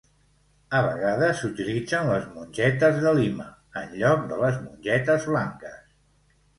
A vegades s"utilitzen les mongetes de Lima enlloc de les mongetes blanques.